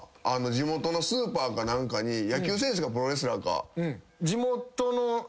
地元のスーパーか何かに野球選手かプロレスラーか。